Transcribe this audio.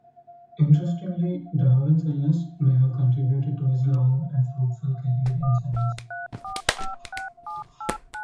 Interestingly, Darwin's illness may have contributed to his long and fruitful career in science.